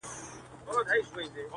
ورته جوړ به د قامونو انجمن سي-